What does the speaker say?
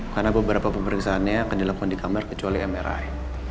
karena beberapa pemeriksaannya akan dilepon di kamar kecuali mri